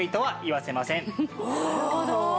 なるほど。